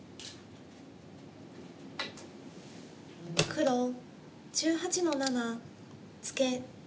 黒１８の七ツケ。